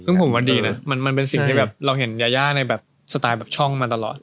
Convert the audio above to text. ซึ่งผมว่าดีนะมันเป็นสิ่งที่แบบเราเห็นยายาในแบบสไตล์แบบช่องมาตลอด